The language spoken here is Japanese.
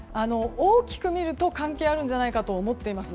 大きく見ると関係あるんじゃないかと思っています。